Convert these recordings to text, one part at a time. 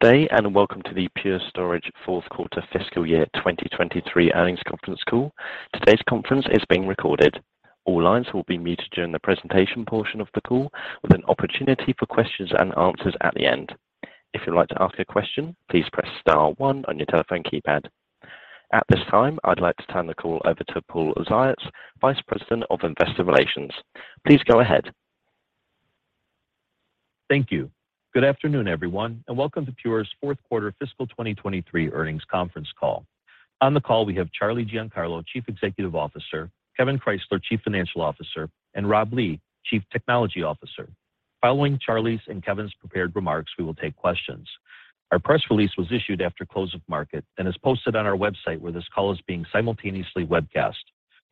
Good day, welcome to the Pure Storage Fourth Quarter Fiscal Year 2023 Earnings Conference Call. Today's conference is being recorded. All lines will be muted during the presentation portion of the call, with an opportunity for questions and answers at the end. If you'd like to ask a question, please press star one on your telephone keypad. At this time, I'd like to turn the call over to Paul Ziots, Vice President of Investor Relations. Please go ahead. Thank you. Good afternoon, everyone, and welcome to Pure Storage's fourth quarter fiscal 2023 earnings conference call. On the call we have Charlie Giancarlo, Chief Executive Officer, Kevan Krysler, Chief Financial Officer, and Rob Lee, Chief Technology Officer. Following Charlie's and Kevan's prepared remarks, we will take questions. Our press release was issued after close of market and is posted on our website, where this call is being simultaneously webcast.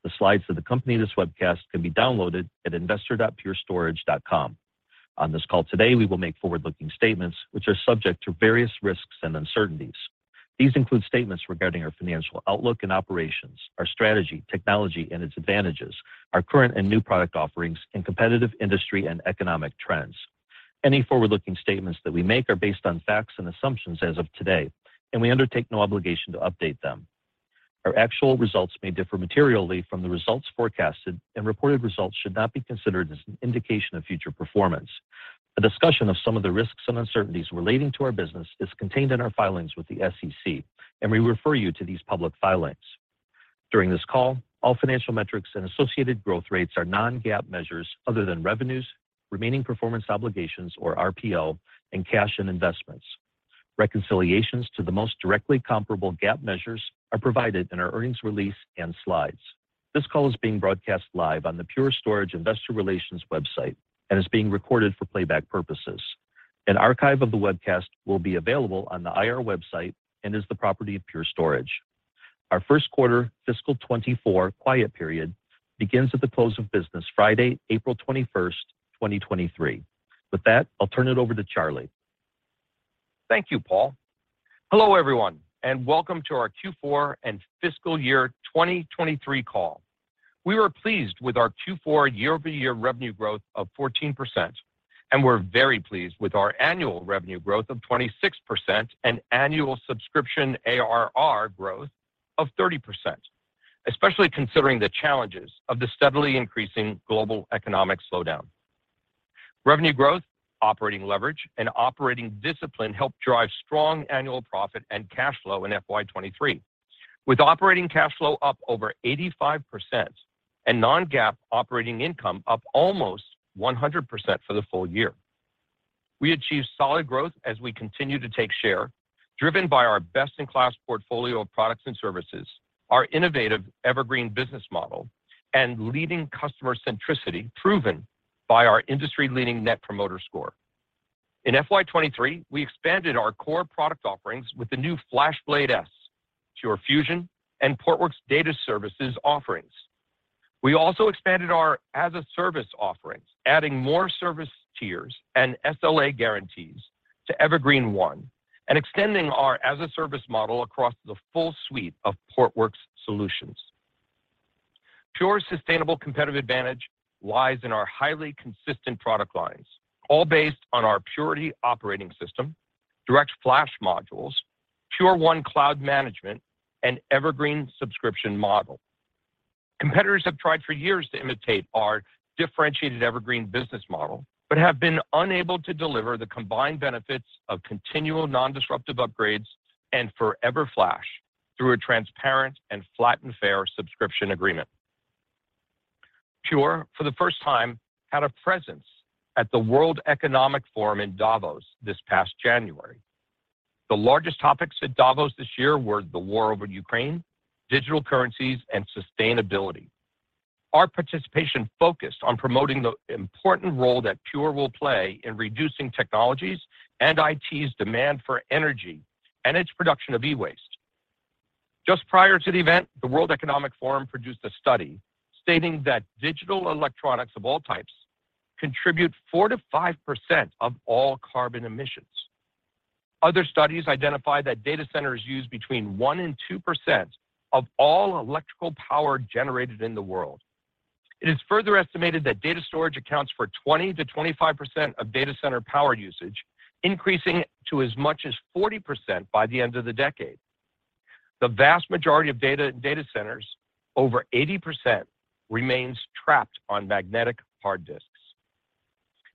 The slides that accompany this webcast can be downloaded at investor.purestorage.com. On this call today, we will make forward-looking statements which are subject to various risks and uncertainties. These include statements regarding our financial outlook and operations, our strategy, technology, and its advantages, our current and new product offerings, and competitive industry and economic trends. Any forward-looking statements that we make are based on facts and assumptions as of today, and we undertake no obligation to update them. Our actual results may differ materially from the results forecasted. Reported results should not be considered an indication of future performance. A discussion of some of the risks and uncertainties relating to our business is contained in our filings with the SEC. We refer you to these public filings. During this call, all financial metrics and associated growth rates are non-GAAP measures other than revenues, remaining performance obligations or RPO, and cash and investments. Reconciliations to the most directly comparable GAAP measures are provided in our earnings release and slides. This call is being broadcast live on the Pure Storage Investor Relations website and is being recorded for playback purposes. An archive of the webcast will be available on the IR website and is the property of Pure Storage. Our first quarter fiscal 2024 quiet period begins at the close of business Friday, April 21st, 2023. With that, I'll turn it over to Charlie. Thank you, Paul. Hello, everyone, and welcome to our Q4 and fiscal year 2023 call. We were pleased with our Q4 year-over-year revenue growth of 14%, and we're very pleased with our annual revenue growth of 26% and annual subscription ARR growth of 30%, especially considering the challenges of the steadily increasing global economic slowdown. Revenue growth, operating leverage, and operating discipline helped drive strong annual profit and cash flow in FY 2023, with operating cash flow up over 85% and non-GAAP operating income up almost 100% for the full year. We achieved solid growth as we continue to take share driven by our best in class portfolio of products and services, our innovative Evergreen business model and leading customer-centricity proven by our industry-leading Net Promoter Score. In FY 2023, we expanded our core product offerings with the new FlashBlade//S, Pure Fusion, and Portworx Data Services offerings. We also expanded our as-a-service offerings, adding more service tiers and SLA guarantees to Evergreen//One and extending our as-a-service model across the full suite of Portworx solutions. Pure's sustainable competitive advantage lies in our highly consistent product lines, all based on our Purity operating system, DirectFlash modules, Pure1 cloud management, and Evergreen subscription model. Competitors have tried for years to imitate our differentiated Evergreen business model, but have been unable to deliver the combined benefits of continual non-disruptive upgrades and Forever Flash through a transparent and flat and fair subscription agreement. Pure, for the first time, had a presence at the World Economic Forum in Davos this past January. The largest topics at Davos this year were the war over Ukraine, digital currencies, and sustainability. Our participation focused on promoting the important role that Pure will play in reducing technologies and IT's demand for energy and its production of e-waste. Just prior to the event, the World Economic Forum produced a study stating that digital electronics of all types contribute 4%-5% of all carbon emissions. Other studies identify that data centers use between 1% and 2% of all electrical power generated in the world. It is further estimated that data storage accounts for 20%–25% of data center power usage, increasing it to as much as 40% by the end of the decade. The vast majority of data in data centers, over 80%, remains trapped on magnetic hard disks.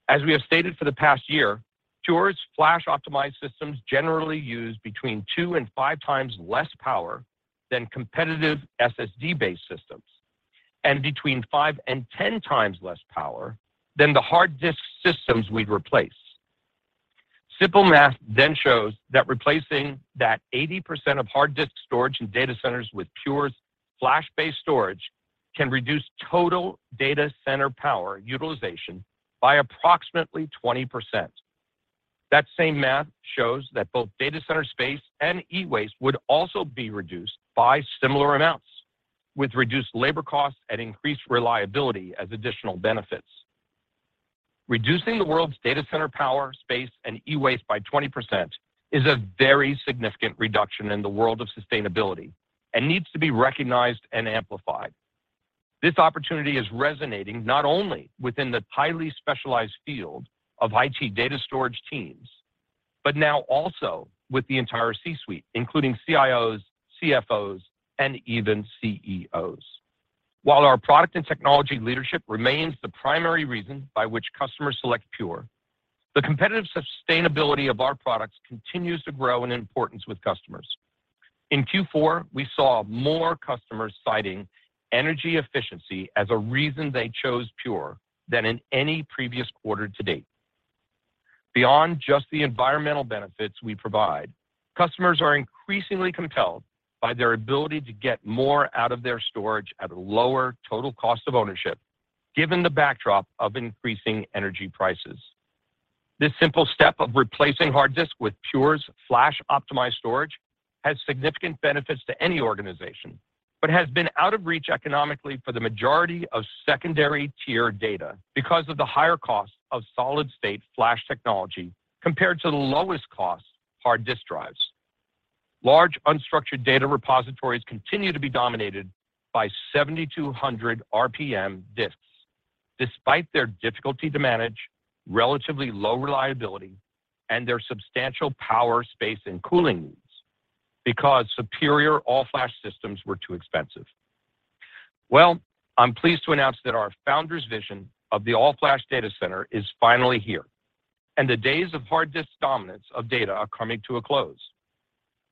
As we have stated for the past year, Pure's flash-optimized systems generally use between two and five times less power than competitive SSD-based systems, and between 5x and 10x less power than the hard disk systems we'd replace. Simple math shows that replacing that 80% of hard disk storage in data centers with Pure's Flash-based storage can reduce total data center power utilization by approximately 20%. That same math shows that both data center space and e-waste would also be reduced by similar amounts, with reduced labor costs and increased reliability as additional benefits. Reducing the world's data center power, space, and e-waste by 20% is a very significant reduction in the world of sustainability and needs to be recognized and amplified. This opportunity is resonating not only within the highly specialized field of IT data storage teams but now also with the entire C-suite, including CIOs, CFOs, and even CEOs. While our product and technology leadership remains the primary reason by which customers select Pure, the competitive sustainability of our products continues to grow in importance with customers. In Q4, we saw more customers citing energy efficiency as a reason they chose Pure than in any previous quarter to date. Beyond just the environmental benefits we provide, customers are increasingly compelled by their ability to get more out of their storage at a lower total cost of ownership given the backdrop of increasing energy prices. This simple step of replacing hard disk with Pure's flash-optimized storage has significant benefits to any organization but has been out of reach economically for the majority of secondary tier data because of the higher cost of solid-state flash technology compared to the lowest cost hard disk drives. Large unstructured data repositories continue to be dominated by 7,200-RPM disks despite their difficulty to manage, relatively low reliability, and their substantial power, space, and cooling needs because superior all-flash systems were too expensive. Well, I'm pleased to announce that our founder's vision of the all-flash data center is finally here, and the days of hard disk dominance of data are coming to a close.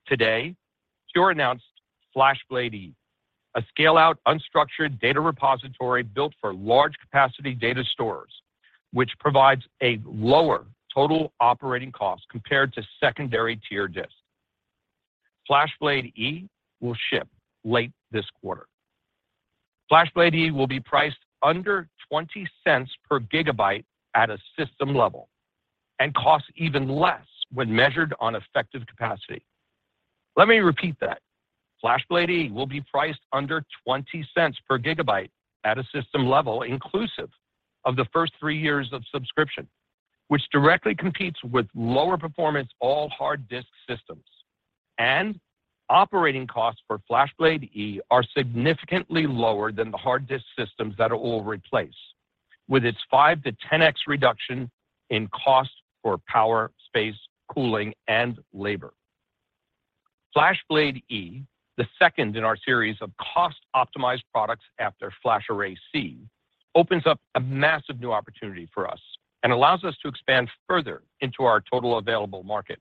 Today, Pure announced FlashBlade//E, a scale-out unstructured data repository built for large capacity data stores, which provides a lower total operating cost compared to secondary tier disks. FlashBlade//E will ship late this quarter. FlashBlade//E will be priced under $0.20 per gigabyte at a system level and costs even less when measured on effective capacity. Let me repeat that. FlashBlade//E will be priced under $0.20 per gigabyte at a system level inclusive of the first three years of subscription, which directly competes with lower performance all hard disk systems. Operating costs for FlashBlade//E are significantly lower than the hard disk systems that it will replace. With its 5–10x reduction in cost for power, space, cooling, and labor. FlashBlade//E, the second in our series of cost-optimized products after FlashArray//C, opens up a massive new opportunity for us and allows us to expand further into our total available market.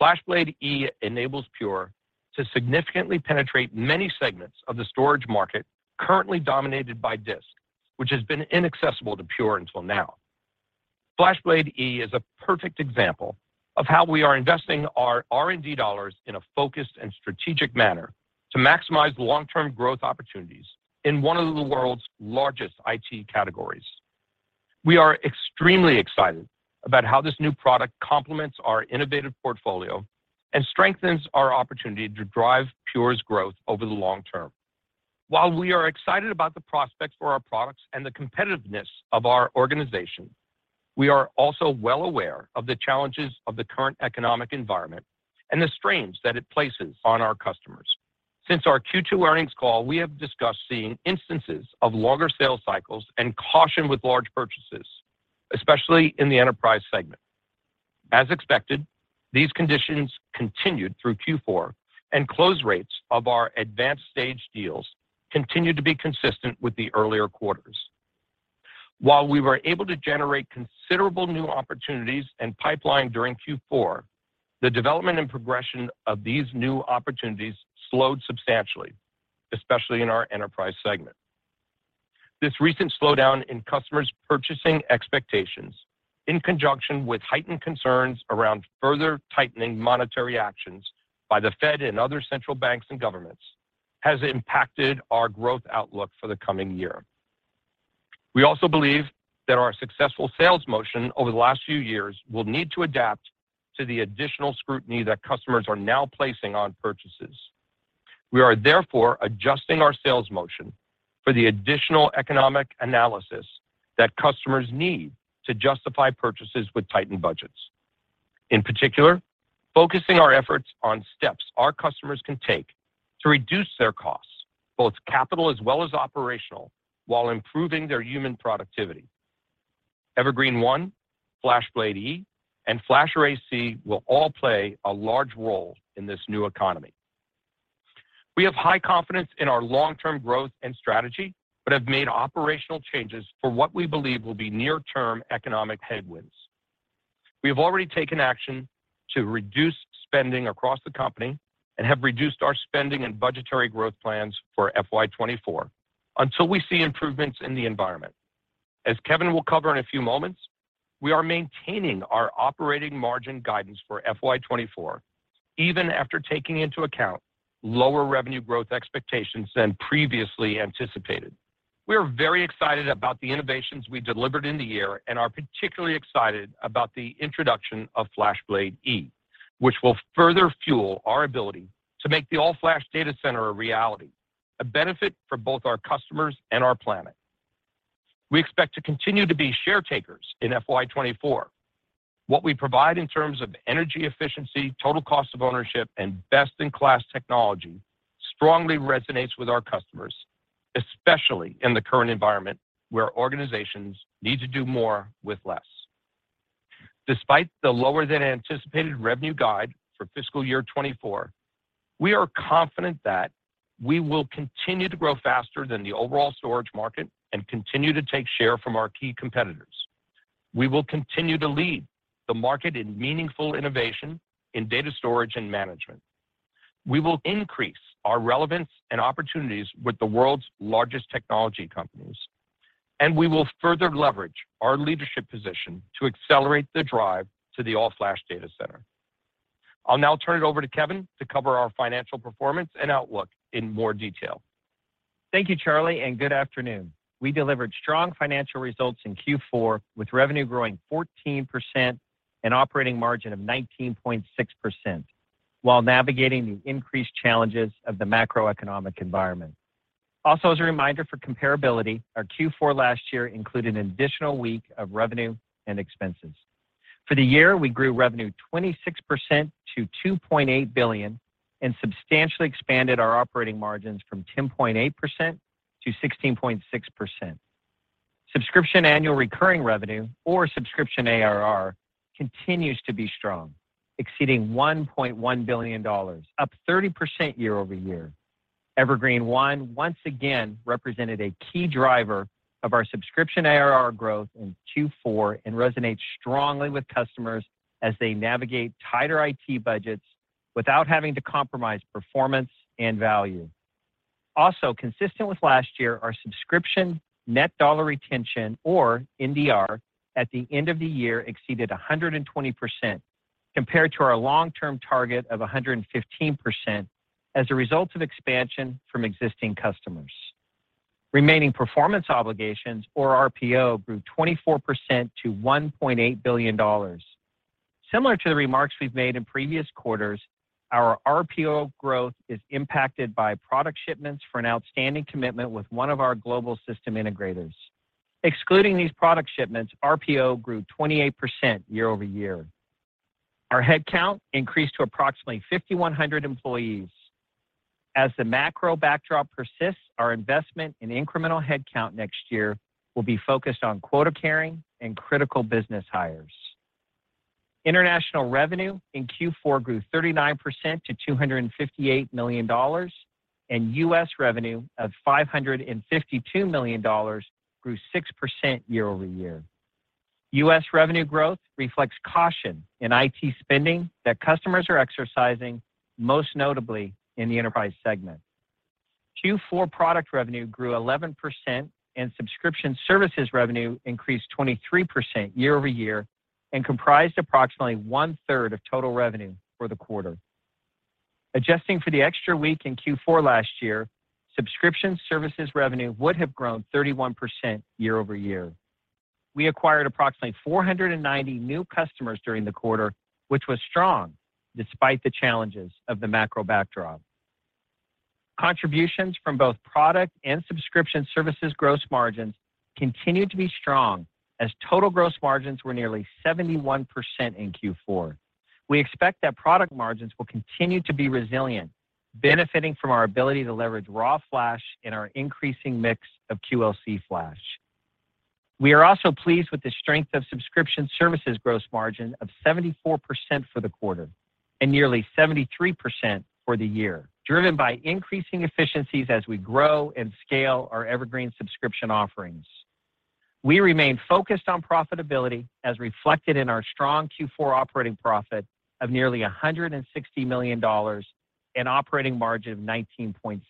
FlashBlade//E enables Pure to significantly penetrate many segments of the storage market currently dominated by disk, which has been inaccessible to Pure until now. FlashBlade//E is a perfect example of how we are investing our R&D dollars in a focused and strategic manner to maximize long-term growth opportunities in one of the world's largest IT categories. We are extremely excited about how this new product complements our innovative portfolio and strengthens our opportunity to drive Pure's growth over the long term. While we are excited about the prospects for our products and the competitiveness of our organization, we are also well aware of the challenges of the current economic environment and the strains that it places on our customers. Since our Q2 earnings call, we have discussed seeing instances of longer sales cycles and caution with large purchases, especially in the enterprise segment. As expected, these conditions continued through Q4, and close rates of our advanced stage deals continued to be consistent with the earlier quarters. While we were able to generate considerable new opportunities and pipeline during Q4, the development and progression of these new opportunities slowed substantially, especially in our enterprise segment. This recent slowdown in customers' purchasing expectations, in conjunction with heightened concerns around further tightening monetary actions by the Fed and other central banks and governments, has impacted our growth outlook for the coming year. We also believe that our successful sales motion over the last few years will need to adapt to the additional scrutiny that customers are now placing on purchases. We are therefore adjusting our sales motion for the additional economic analysis that customers need to justify purchases with tightened budgets. In particular, focusing our efforts on steps our customers can take to reduce their costs, both capital as well as operational, while improving their human productivity. Evergreen//One, FlashBlade//E, and FlashArray//C will all play a large role in this new economy. We have high confidence in our long-term growth and strategy but have made operational changes for what we believe will be near-term economic headwinds. We have already taken action to reduce spending across the company and have reduced our spending and budgetary growth plans for FY24 until we see improvements in the environment. As Kevan will cover in a few moments, we are maintaining our operating margin guidance for FY24 even after taking into account lower revenue growth expectations than previously anticipated. We are very excited about the innovations we delivered in the year and are particularly excited about the introduction of FlashBlade//E, which will further fuel our ability to make the all-flash data center a reality, a benefit for both our customers and our planet. We expect to continue to be share takers in FY 2024. What we provide in terms of energy efficiency, total cost of ownership, and best-in-class technology strongly resonates with our customers, especially in the current environment where organizations need to do more with less. Despite the lower than anticipated revenue guide for fiscal year 2024, we are confident that we will continue to grow faster than the overall storage market and continue to take share from our key competitors. We will continue to lead the market in meaningful innovation in data storage and management. We will increase our relevance and opportunities with the world's largest technology companies, and we will further leverage our leadership position to accelerate the drive to the All Flash Data Center. I'll now turn it over to Kevan to cover our financial performance and outlook in more detail. Thank you, Charlie, and good afternoon. We delivered strong financial results in Q4, with revenue growing 14% and operating margin of 19.6% while navigating the increased challenges of the macroeconomic environment. As a reminder for comparability, our Q4 last year included an additional week of revenue and expenses. For the year, we grew revenue 26% to $2.8 billion and substantially expanded our operating margins from 10.8%–16.6%. Subscription annual recurring revenue, or subscription ARR, continues to be strong, exceeding $1.1 billion, up 30% year-over-year. Evergreen//One once again represented a key driver of our subscription ARR growth in Q4 and resonates strongly with customers as they navigate tighter IT budgets without having to compromise performance and value. Also consistent with last year, our subscription net dollar retention, or NDR at the end of the year exceeded 120% compared to our long term target of 115% as a result of expansion from existing customers. Remaining performance obligations or RPO grew 24% to $1.8 billion. Similar to the remarks we've made in previous quarters, our RPO growth is impacted by product shipments for an outstanding commitment with one of our global system integrators. Excluding these product shipments, RPO grew 28% year-over-year. Our headcount increased to approximately 5,100 employees. As the macro backdrop persists, our investment in incremental headcount next year will be focused on quota carrying and critical business hires. International revenue in Q4 grew 39% to $258 million. U.S. revenue of $552 million grew 6% year-over-year. U.S. revenue growth reflects caution in IT spending that customers are exercising, most notably in the enterprise segment. Q4 product revenue grew 11%. Subscription services revenue increased 23% year-over-year and comprised approximately one third of total revenue for the quarter. Adjusting for the extra week in Q4 last year, subscription services revenue would have grown 31% year-over-year. We acquired approximately 490 new customers during the quarter, which was strong despite the challenges of the macro backdrop. Contributions from both product and subscription services gross margins continued to be strong as total gross margins were nearly 71% in Q4. We expect that product margins will continue to be resilient, benefiting from our ability to leverage raw flash in our increasing mix of QLC flash. We are also pleased with the strength of subscription services gross margin of 74% for the quarter and nearly 73% for the year, driven by increasing efficiencies as we grow and scale our Evergreen subscription offerings. We remain focused on profitability as reflected in our strong Q4 operating profit of nearly $160 million and operating margin of 19.6%.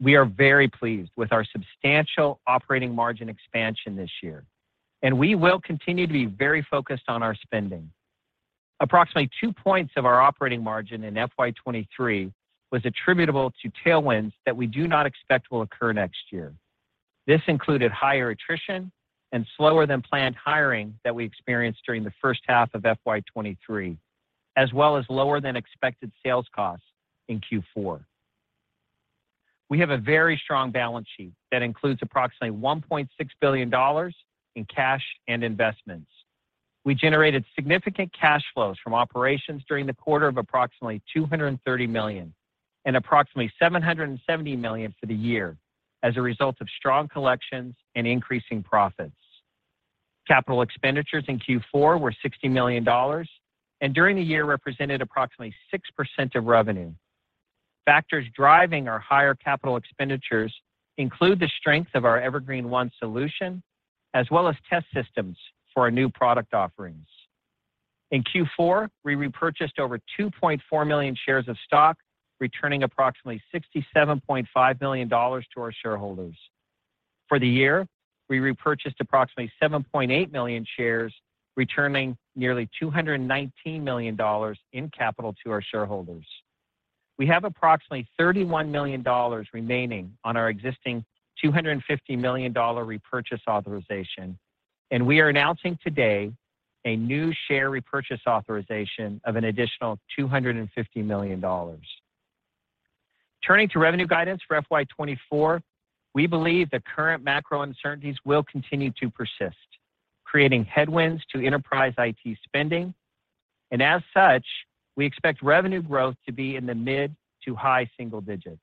We are very pleased with our substantial operating margin expansion this year. We will continue to be very focused on our spending. Approximately two points of our operating margin in FY 2023 was attributable to tailwinds that we do not expect will occur next year. This included higher attrition and slower than planned hiring that we experienced during the first half of FY 2023, as well as lower than expected sales costs in Q4. We have a very strong balance sheet that includes approximately $1.6 billion in cash and investments. We generated significant cash flows from operations during the quarter of approximately $230 million and approximately $770 million for the year as a result of strong collections and increasing profits. Capital expenditures in Q4 were $60 million and during the year represented approximately 6% of revenue. Factors driving our higher capital expenditures include the strength of our Evergreen//One solution as well as test systems for our new product offerings. In Q4, we repurchased over 2.4 million shares of stock, returning approximately $67.5 million to our shareholders. For the year, we repurchased approximately 7.8 million shares, returning nearly $219 million in capital to our shareholders. We have approximately $31 million remaining on our existing $250 million repurchase authorization, and we are announcing today a new share repurchase authorization of an additional $250 million. Turning to revenue guidance for FY 2024, we believe the current macro uncertainties will continue to persist, creating headwinds to enterprise IT spending. As such, we expect revenue growth to be in the mid to high single digits.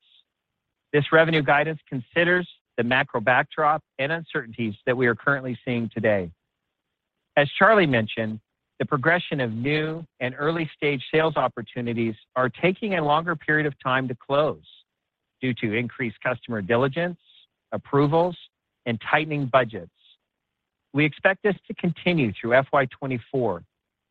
This revenue guidance considers the macro backdrop and uncertainties that we are currently seeing today. As Charlie mentioned, the progression of new and early-stage sales opportunities are taking a longer period of time to close due to increased customer diligence, approvals, and tightening budgets. We expect this to continue through FY 2024,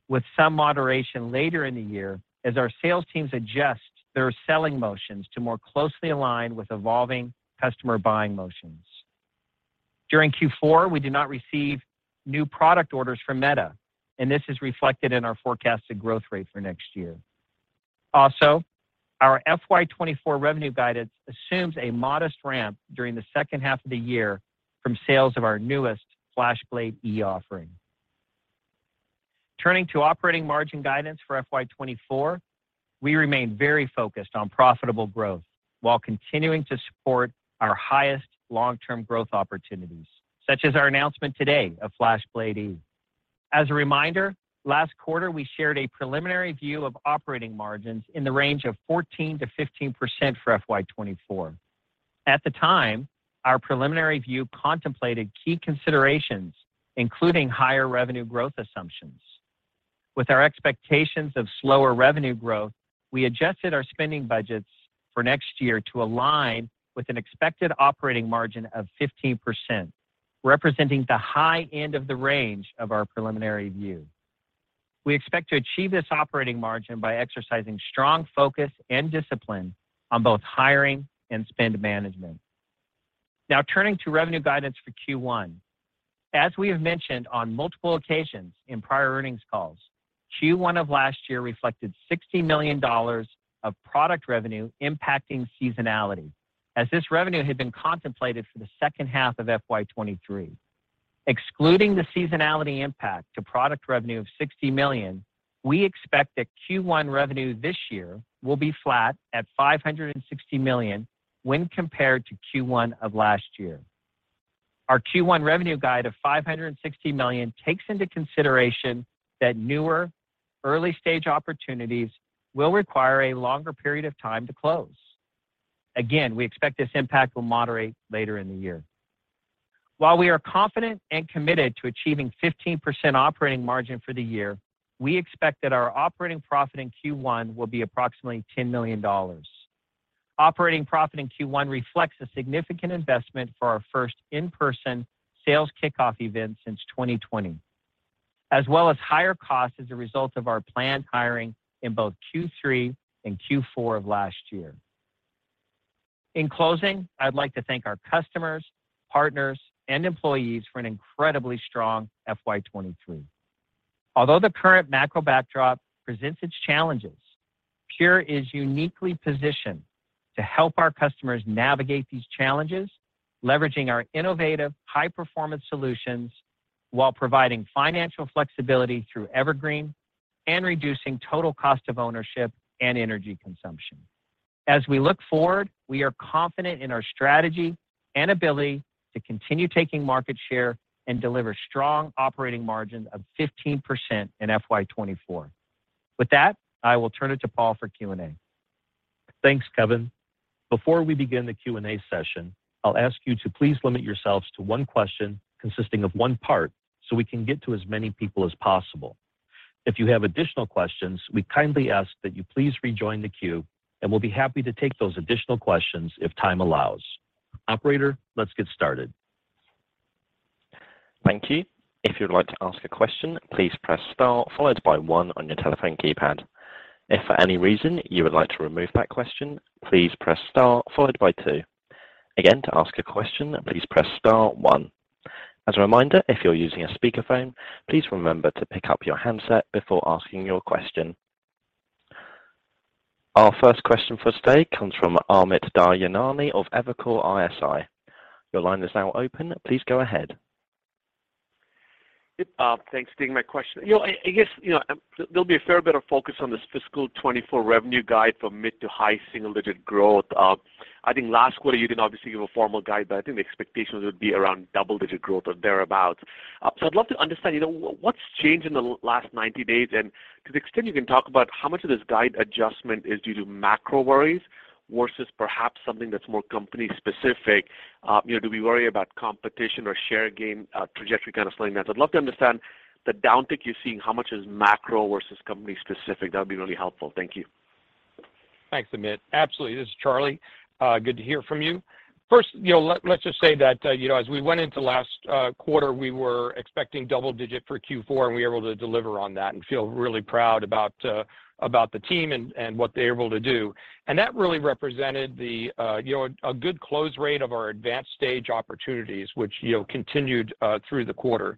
with some moderation later in the year as our sales teams adjust their selling motions to more closely align with evolving customer buying motions. During Q4, we did not receive new product orders from Meta, and this is reflected in our forecasted growth rate for next year. Also, our FY 2024 revenue guidance assumes a modest ramp during the second half of the year from sales of our newest FlashBlade//E offering. Turning to operating margin guidance for FY 2024, we remain very focused on profitable growth while continuing to support our highest long-term growth opportunities, such as our announcement today of FlashBlade//E. As a reminder, last quarter, we shared a preliminary view of operating margins in the range of 14%–15% for FY 2024. At the time, our preliminary view contemplated key considerations, including higher revenue growth assumptions. With our expectations of slower revenue growth, we adjusted our spending budgets for next year to align with an expected operating margin of 15%, representing the high end of the range of our preliminary view. We expect to achieve this operating margin by exercising strong focus and discipline on both hiring and spend management. Turning to revenue guidance for Q1. As we have mentioned on multiple occasions in prior earnings calls, Q1 of last year reflected $60 million of product revenue impacting seasonality, as this revenue had been contemplated for the second half of FY23. Excluding the seasonality impact to product revenue of $60 million, we expect that Q1 revenue this year will be flat at $560 million when compared to Q1 of last year. Our Q1 revenue guide of $560 million takes into consideration that newer early-stage opportunities will require a longer period of time to close. Again, we expect this impact will moderate later in the year. While we are confident and committed to achieving 15% operating margin for the year, we expect that our operating profit in Q1 will be approximately $10 million. Operating profit in Q1 reflects a significant investment for our first in-person sales kickoff event since 2020, as well as higher costs as a result of our planned hiring in both Q3 and Q4 of last year. In closing, I'd like to thank our customers, partners, and employees for an incredibly strong FY 2023. Although the current macro backdrop presents its challenges, Pure is uniquely positioned to help our customers navigate these challenges, leveraging our innovative high-performance solutions while providing financial flexibility through Evergreen and reducing total cost of ownership and energy consumption. As we look forward, we are confident in our strategy and ability to continue taking market share and deliver strong operating margins of 15% in FY 2024. With that, I will turn it to Paul for Q&A. Thanks, Kevan. Before we begin the Q&A session, I'll ask you to please limit yourselves to one question consisting of one part, so we can get to as many people as possible. If you have additional questions, we kindly ask that you please rejoin the queue, and we'll be happy to take those additional questions if time allows. Operator, let's get started. Thank you. If you'd like to ask a question, please press star followed by 1 on your telephone keypad. If for any reason you would like to remove that question, please press star followed by two. Again, to ask a question, please press star one. As a reminder, if you're using a speakerphone, please remember to pick up your handset before asking your question. Our first question for today comes from Amit Daryanani of Evercore ISI. Your line is now open. Please go ahead. Yep. Thanks. Taking my question. You know, I guess, you know, there'll be a fair bit of focus on this fiscal 24 revenue guide for mid to high single-digit growth. I think last quarter you didn't obviously give a formal guide, but I think the expectations would be around double-digit growth or thereabout. So I'd love to understand, you know, what's changed in the last 90 days? To the extent you can talk about how much of this guide adjustment is due to macro worries versus perhaps something that's more company specific. You know, do we worry about competition or share gain, trajectory kind of slowing down? I'd love to understand the downtick you're seeing, how much is macro versus company specific? That would be really helpful. Thank you. Thanks, Amit. Absolutely. This is Charlie. Good to hear from you. First, you know, let's just say that, you know, as we went into last quarter, we were expecting double-digit for Q4. We were able to deliver on that and feel really proud about the team and what they're able to do. That really represented the, you know, a good close rate of our advanced stage opportunities, which, you know, continued through the quarter.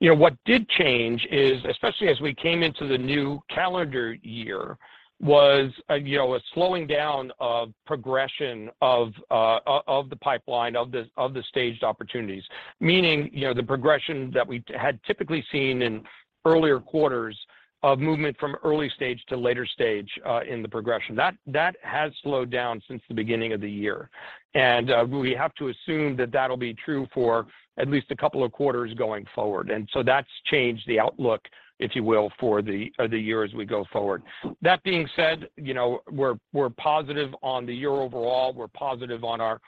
You know, what did change is, especially as we came into the new calendar year, was a, you know, a slowing down of progression of the pipeline, of the staged opportunities. Meaning, you know, the progression that we had typically seen in earlier quarters of movement from early stage to later stage in the progression. That has slowed down since the beginning of the year. We have to assume that that'll be true for at least a couple of quarters going forward. That's changed the outlook, if you will, for the year as we go forward. That being said, you know, we're positive on the year overall. We're positive on our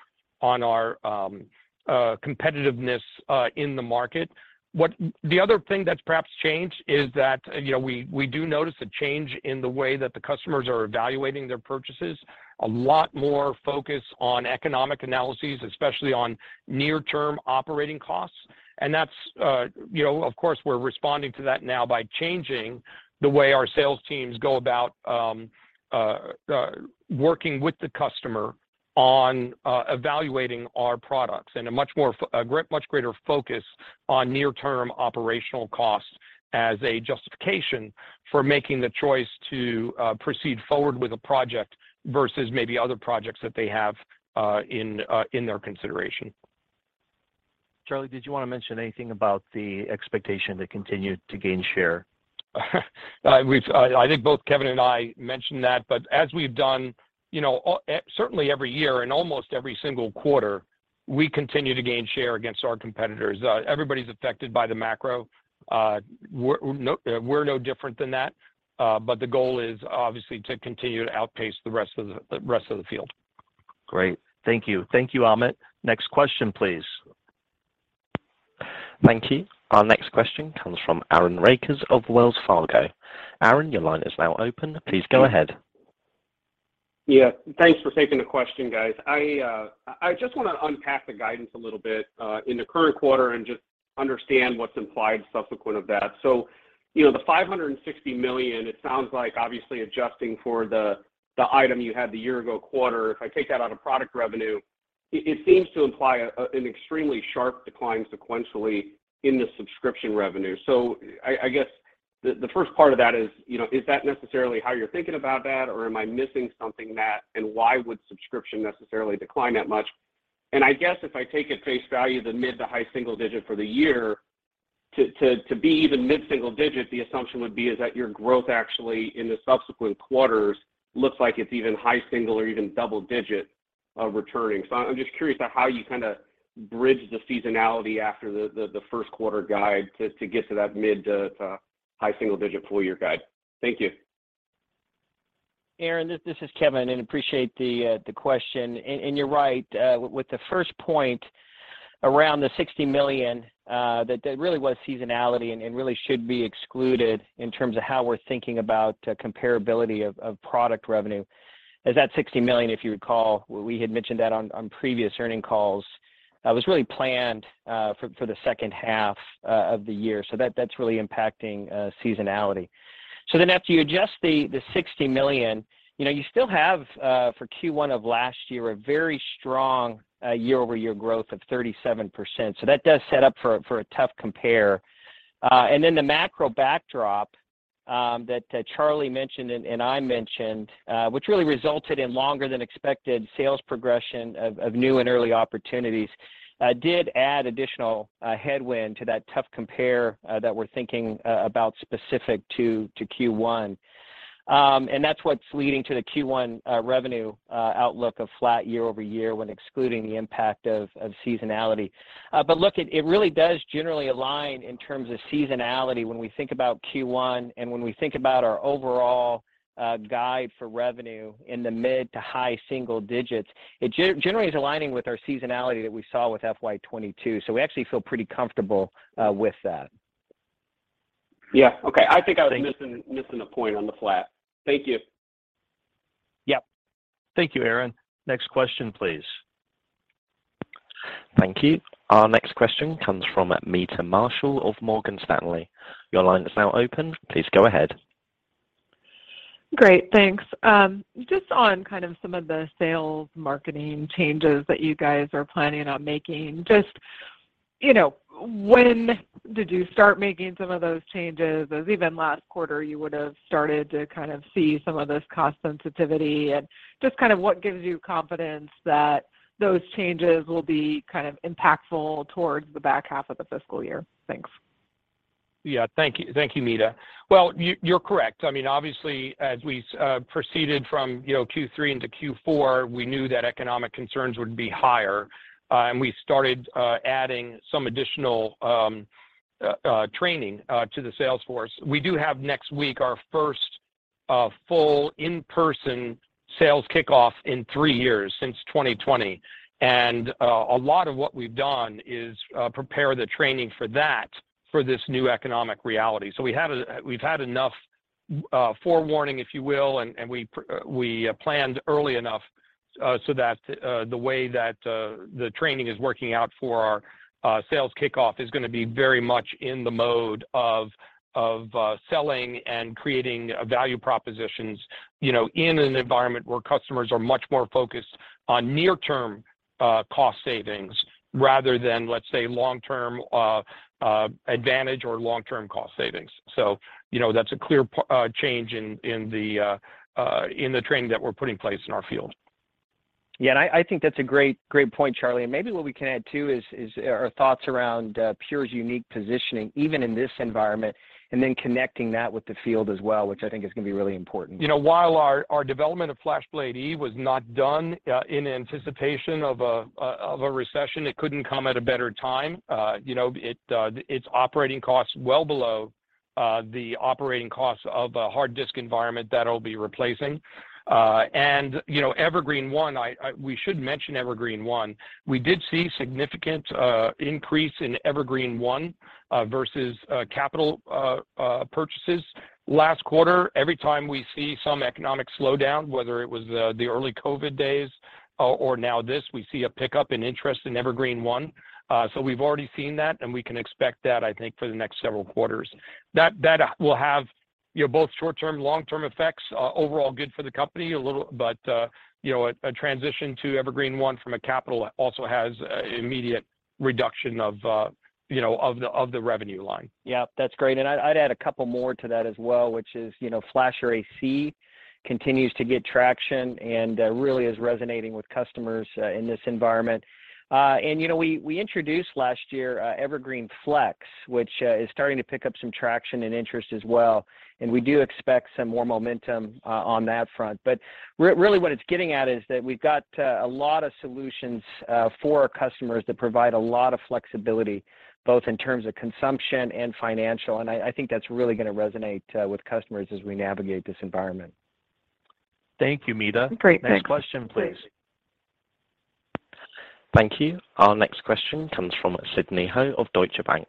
competitiveness in the market. The other thing that's perhaps changed is that, you know, we do notice a change in the way that the customers are evaluating their purchases. A lot more focus on economic analyses, especially on near-term operating costs. That's, you know, of course, we're responding to that now by changing the way our sales teams go about working with the customer on evaluating our products. A much more a great much greater focus on near-term operational costs as a justification for making the choice to proceed forward with a project versus maybe other projects that they have in their consideration. Charlie, did you wanna mention anything about the expectation to continue to gain share? I think both Kevan and I mentioned that, but as we've done, you know, certainly every year and almost every single quarter, we continue to gain share against our competitors. Everybody's affected by the macro. We're no different than that. The goal is obviously to continue to outpace the rest of the field. Great. Thank you. Thank you, Amit. Next question, please. Thank you. Our next question comes from Aaron Rakers of Wells Fargo. Aaron, your line is now open. Please go ahead. Yeah. Thanks for taking the question, guys. I just wanna unpack the guidance a little bit in the current quarter and just understand what's implied subsequent of that. You know, the $560 million, it sounds like obviously adjusting for the item you had the year ago quarter. If I take that out of product revenue, it seems to imply an extremely sharp decline sequentially in the subscription revenue. I guess the first part of that is, you know, is that necessarily how you're thinking about that, or am I missing something that, and why would subscription necessarily decline that much? I guess if I take at face value the mid to high single-digit for the year, to be even mid single-digit, the assumption would be is that your growth actually in the subsequent quarters looks like it's even high single-digit or even double-digit, returning. I'm just curious about how you kinda bridge the seasonality after the first quarter guide to get to that mid to high single-digit full year guide. Thank you. Aaron, this is Kevan, appreciate the question. You're right. With the first point around the $60 million, that really was seasonality and really should be excluded in terms of how we're thinking about comparability of product revenue, is that $60 million, if you would call, we had mentioned that on previous earning calls, was really planned for the second half of the year. That's really impacting seasonality. After you adjust the $60 million, you know, you still have for Q1 of last year a very strong year-over-year growth of 37%. That does set up for a tough compare. The macro backdrop that Charlie mentioned and I mentioned, which really resulted in longer than expected sales progression of new and early opportunities, did add additional headwind to that tough compare that we're thinking about specific to Q1. That's what's leading to the Q1 revenue outlook of flat year-over-year when excluding the impact of seasonality. Look, it really does generally align in terms of seasonality when we think about Q1 and when we think about our overall guide for revenue in the mid to high single digits. It generally is aligning with our seasonality that we saw with FY22. We actually feel pretty comfortable with that. Yeah. Okay. I think I was missing a point on the flat. Thank you. Yep. Thank you, Aaron. Next question, please. Thank you. Our next question comes from Meta Marshall of Morgan Stanley. Your line is now open. Please go ahead. Great. Thanks. Just on kind of some of the sales marketing changes that you guys are planning on making. Just, you know, when did you start making some of those changes? Even last quarter, you would've started to kind of see some of this cost sensitivity, and just kind of what gives you confidence that those changes will be kind of impactful towards the back half of the fiscal year? Thanks. Yeah. Thank you. Thank you, Meta. Well, you're correct. I mean, obviously, as we proceeded from, you know, Q3 into Q4, we knew that economic concerns would be higher, and we started adding some additional training to the sales force. We do have next week our first full in-person sales kickoff in three years, since 2020. A lot of what we've done is prepare the training for that for this new economic reality. We've had enough forewarning, if you will, and we planned early enough so that the way that the training is working out for our sales kickoff is gonna be very much in the mode of selling and creating value propositions, you know, in an environment where customers are much more focused on near-term cost savings rather than, let's say, long-term advantage or long-term cost savings. You know, that's a clear change in the training that we're putting in place in our field. Yeah. I think that's a great point, Charlie. Maybe what we can add too is our thoughts around Pure's unique positioning, even in this environment, and then connecting that with the field as well, which I think is going to be really important. You know, while our development of FlashBlade//E was not done, in anticipation of a recession, it couldn't come at a better time. You know, its operating cost well below the operating cost of a hard disk environment that it'll be replacing. You know, Evergreen//One, we should mention Evergreen//One. We did see significant increase in Evergreen//One versus capital purchases last quarter. Every time we see some economic slowdown, whether it was the early COVID days, or now this, we see a pickup in interest in Evergreen//One. We've already seen that, and we can expect that, I think, for the next several quarters. That will have, you know, both short-term, long-term effects, overall good for the company a little, but, you know, a transition to Evergreen//One from a capital also has immediate reduction of, you know, of the revenue line. Yeah, that's great. I'd add a couple more to that as well, which is, you know, FlashArray//C continues to get traction and really is resonating with customers in this environment. You know, we introduced last year Evergreen//Flex, which is starting to pick up some traction and interest as well, and we do expect some more momentum on that front. Really what it's getting at is that we've got a lot of solutions for our customers that provide a lot of flexibility, both in terms of consumption and financial. I think that's really going to resonate with customers as we navigate this environment. Thank you, Meta. Great, thanks. Next question, please. Thank you. Our next question comes from Sidney Ho of Deutsche Bank.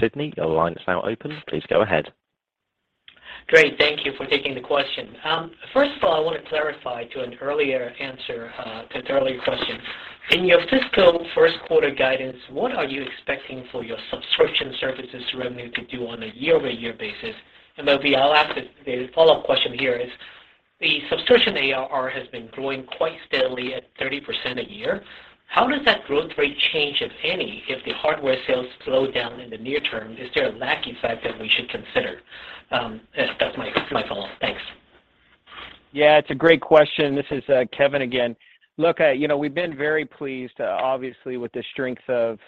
Sidney, your line is now open. Please go ahead. Great. Thank you for taking the question. First of all, I want to clarify to an earlier answer, to an earlier question. In your fiscal first quarter guidance, what are you expecting for your subscription services revenue to do on a year-over-year basis? I'll ask the follow-up question here is, the subscription ARR has been growing quite steadily at 30% a year. How does that growth rate change, if any, if the hardware sales slow down in the near term? Is there a lag effect that we should consider? That's my follow-up. Thanks. It's a great question. This is Kevan again. Look, you know, we've been very pleased, obviously, with the strength of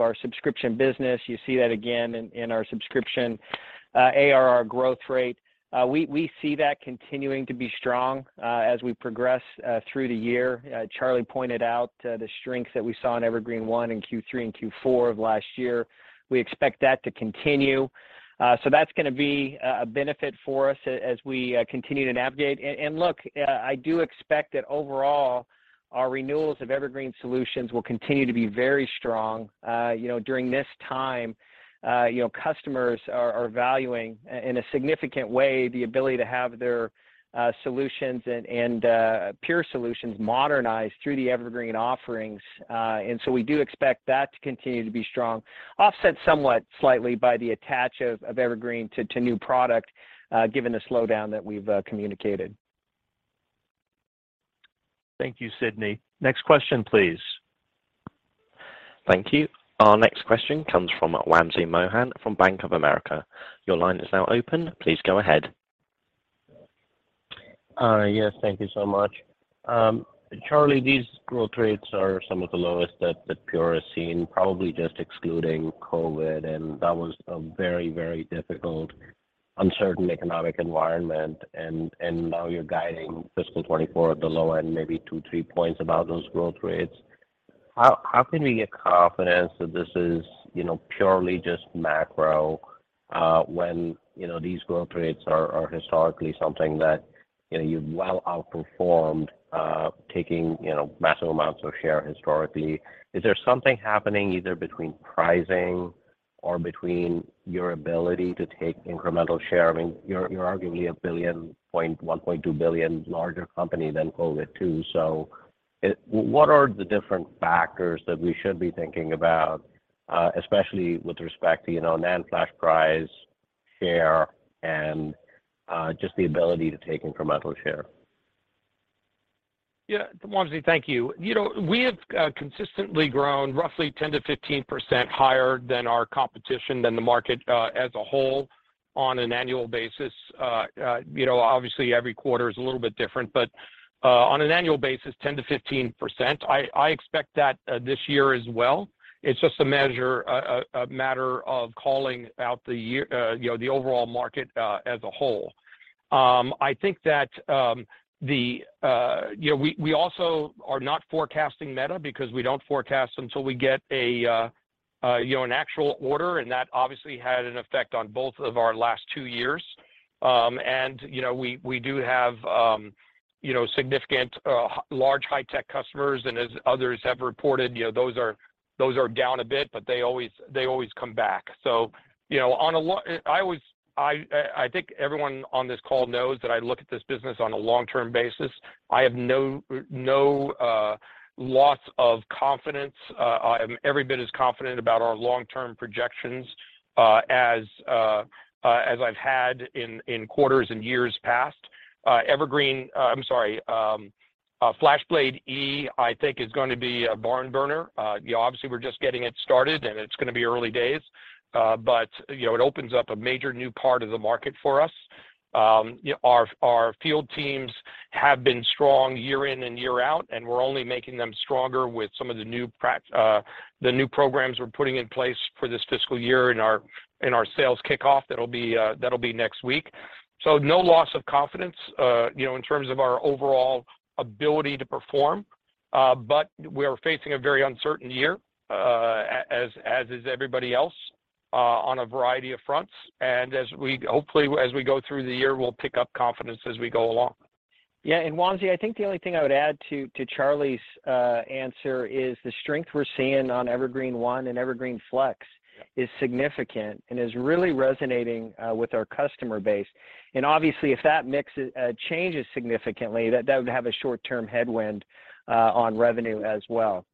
our subscription business. You see that again in our subscription ARR growth rate. We see that continuing to be strong as we progress through the year. Charlie pointed out the strengths that we saw in Evergreen//One in Q3 and Q4 of last year. We expect that to continue. So that's going to be a benefit for us as we continue to navigate. Look, I do expect that overall, our renewals of Evergreen solutions will continue to be very strong. You know, during this time, you know, customers are valuing in a significant way the ability to have their solutions and Pure solutions modernized through the Evergreen offerings. We do expect that to continue to be strong, offset somewhat slightly by the attach of Evergreen to new product, given the slowdown that we've communicated. Thank you, Sydney. Next question, please. Thank you. Our next question comes from Wamsi Mohan from Bank of America. Your line is now open. Please go ahead. Yes. Thank you so much. Charlie, these growth rates are some of the lowest that Pure has seen, probably just excluding COVID, and that was a very, very difficult, uncertain economic environment. Now you're guiding fiscal 2024 at the low end, maybe two, three points above those growth rates. How can we get confidence that this is, you know, purely just macro, when, you know, these growth rates are historically something that, you know, you've well outperformed, taking, you know, massive amounts of share historically. I mean, you're arguably a $1.1 billion–$1.2 billion larger company than COVID too. What are the different factors that we should be thinking about, especially with respect to, you know, NAND flash price, share, and just the ability to take incremental share? Yeah. Wamsi, thank you. You know, we have consistently grown roughly 10%–15% higher than our competition than the market as a whole on an annual basis. You know, obviously every quarter is a little bit different, but on an annual basis, 10%–15%. I expect that this year as well. It's just a matter of calling out the year, you know, the overall market as a whole. I think that the, you know, we also are not forecasting Meta because we don't forecast until we get an actual order, and that obviously had an effect on both of our last two years. You know, we do have, you know, significant large high tech customers, and as others have reported, you know, those are down a bit, but they always come back. You know, I always think everyone on this call knows that I look at this business on a long-term basis. I have no loss of confidence. I am every bit as confident about our long-term projections as I've had in quarters and years past. Evergreen, I'm sorry, FlashBlade//E I think is going to be a barn burner. You know, obviously we're just getting it started, and it's gonna be early days, but, you know, it opens up a major new part of the market for us. Our field teams have been strong year in and year out, and we're only making them stronger with some of the new programs we're putting in place for this fiscal year in our, in our sales kickoff that'll be next week. No loss of confidence, you know, in terms of our overall ability to perform. We are facing a very uncertain year, as is everybody else, on a variety of fronts. As we hopefully go through the year, we'll pick up confidence as we go along. Yeah. Wamsi, I think the only thing I would add to Charlie's answer is the strength we're seeing on Evergreen//One and Evergreen//Flex is significant and is really resonating with our customer base. Obviously, if that mix changes significantly, that would have a short-term headwind on revenue as well.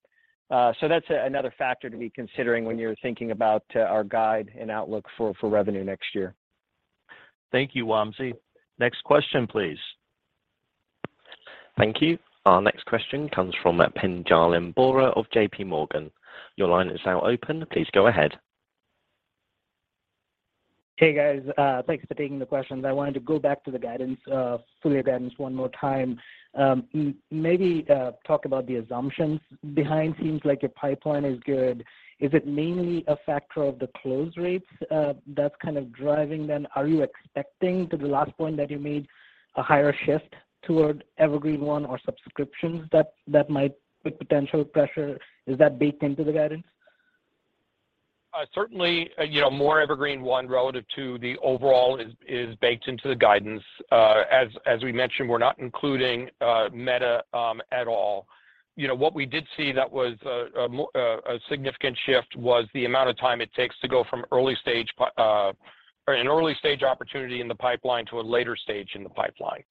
That's another factor to be considering when you're thinking about our guide and outlook for revenue next year. Thank you, Wamsi. Next question, please. Thank you. Our next question comes from Pinjalim Bora of JPMorgan. Your line is now open. Please go ahead. Hey, guys. Thanks for taking the questions. I wanted to go back to the guidance, full year guidance one more time. Maybe talk about the assumptions behind things like your pipeline is good. Is it mainly a factor of the close rates that's kind of driving then? Are you expecting to the last point that you made a higher shift toward Evergreen//One or subscriptions that might put potential pressure? Is that baked into the guidance? Certainly, you know, more Evergreen//One relative to the overall is baked into the guidance. As we mentioned, we're not including Meta at all. You know, what we did see that was a significant shift was the amount of time it takes to go from early stage an early stage opportunity in the pipeline to a later stage in the pipeline.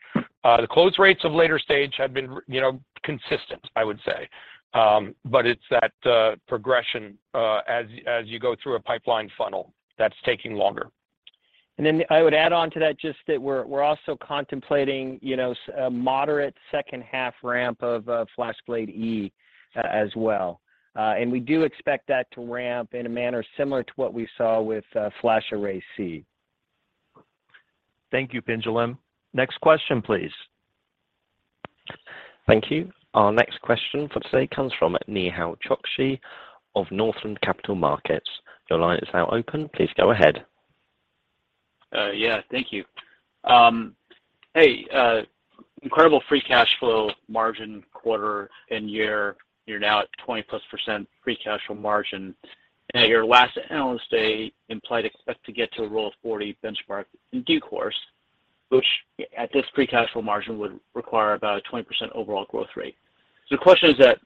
The close rates of later stage have been you know, consistent, I would say. It's that progression as you go through a pipeline funnel that's taking longer. Then I would add on to that just that we're also contemplating, you know, a moderate second half ramp of FlashBlade//E as well. We do expect that to ramp in a manner similar to what we saw with FlashArray//C. Thank you, Pinjalim. Next question, please. Thank you. Our next question for today comes from Nehal Chokshi of Northland Capital Markets. Your line is now open. Please go ahead. Yeah, thank you. Hey, incredible free cash flow margin quarter and year. You're now at 20%+ free cash flow margin. At your last analyst day implied expect to get to a Rule of 40 benchmark in due course, which at this free cash flow margin would require about a 20% overall growth rate. The question is that,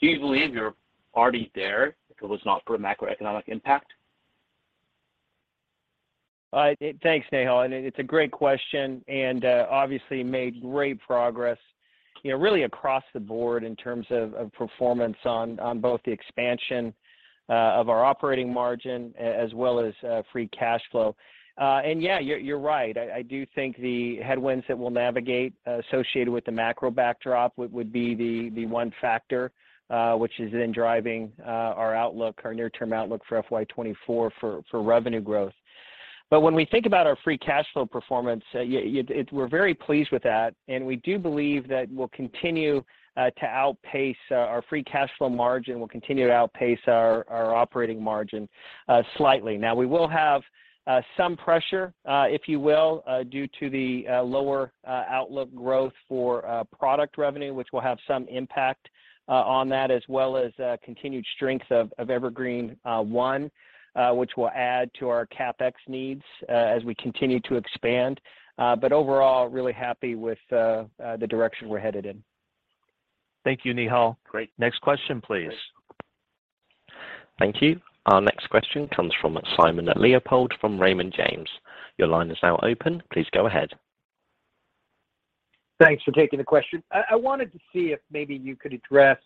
do you believe you're already there if it was not for a macroeconomic impact? Thanks, Nehal, and it's a great question and obviously made great progress, you know, really across the board in terms of performance on both the expansion of our operating margin as well as free cash flow. Yeah, you're right. I do think the headwinds that we'll navigate associated with the macro backdrop would be the one factor which is driving our outlook, our near-term outlook for FY 2024 for revenue growth. When we think about our free cash flow performance, yeah, we're very pleased with that, and we do believe that we'll continue to outpace our free cash flow margin, we'll continue to outpace our operating margin slightly. Now we will have some pressure, if you will, due to the lower outlook growth for product revenue, which will have some impact on that as well as continued strength of Evergreen//One, which will add to our CapEx needs as we continue to expand. Overall, really happy with the direction we're headed in. Thank you, Nehal. Great. Next question, please. Thank you. Our next question comes from Simon Leopold from Raymond James. Your line is now open. Please go ahead. Thanks for taking the question. I wanted to see if maybe you could address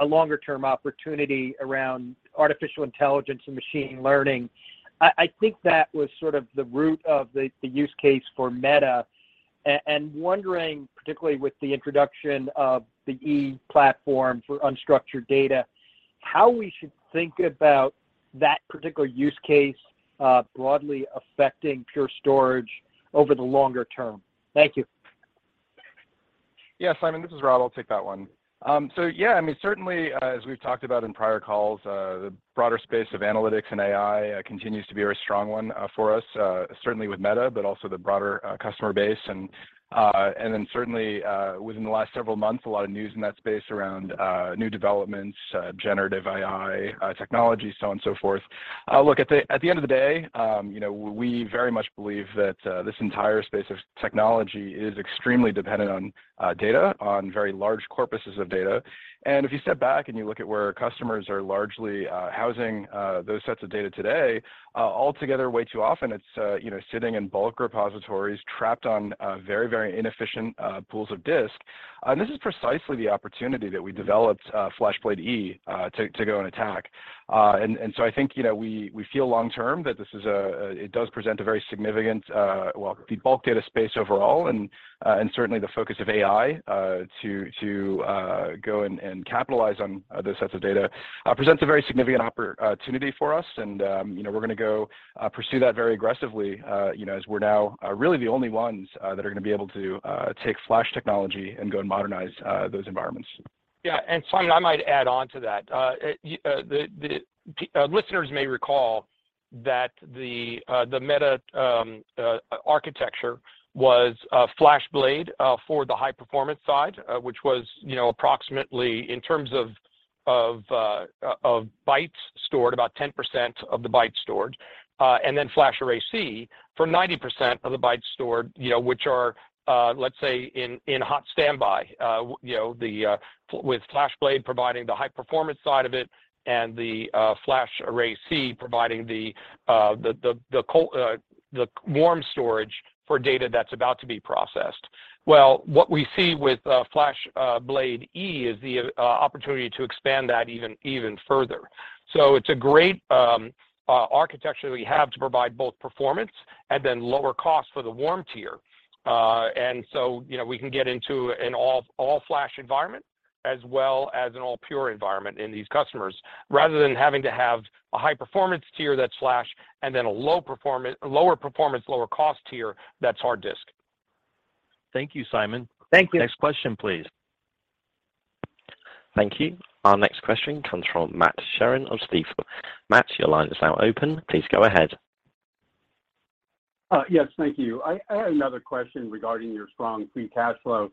a longer-term opportunity around artificial intelligence and machine learning. I think that was sort of the root of the use case for Meta and wondering, particularly with the introduction of the E platform for unstructured data, how we should think about that particular use case, broadly affecting Pure Storage over the longer term. Thank you. Yeah. Simon, this is Rob. I'll take that one. Yeah, I mean, certainly as we've talked about in prior calls, the broader space of analytics and AI continues to be a very strong one for us, certainly with Meta, but also the broader customer base. And then certainly, within the last several months, a lot of news in that space around new developments, generative AI technology, so on and so forth. Look at the end of the day, you know, we very much believe that this entire space of technology is extremely dependent on data, on very large corpuses of data. If you step back and you look at where customers are largely housing those sets of data today, altogether way too often it's, you know, sitting in bulk repositories trapped on very, very inefficient pools of disk. This is precisely the opportunity that we developed FlashBlade//E to go and attack. I think, you know, we feel long term that it does present a very significant, well, the bulk data space overall and certainly the focus of AI to go and capitalize on those sets of data presents a very significant opportunity for us. You know, we're gonna go pursue that very aggressively, you know, as we're now really the only ones that are gonna be able to take Flash technology and go and modernize those environments. Yeah. Simon, I might add on to that. The listeners may recall. The meta architecture was FlashBlade for the high-performance side, which was, you know, approximately in terms of bytes stored about 10% of the bytes stored. FlashArray//C for 90% of the bytes stored, you know, which are, let's say in hot standby. You know, with FlashBlade providing the high-performance side of it and the FlashArray//C providing the cold the warm storage for data that's about to be processed. Well, what we see with FlashBlade//E is the opportunity to expand that even further. It's a great architecture we have to provide both performance and then lower cost for the warm tier. you know, we can get into an all-flash environment as well as an all Pure environment in these customers, rather than having to have a high performance tier that's flash and then a lower performance, lower cost tier that's hard disk. Thank you, Simon. Thank you. Next question, please. Thank you. Our next question comes from Matt Sheerin of Stifel. Matt, your line is now open. Please go ahead. Yes, thank you. I had another question regarding your strong free cash flow.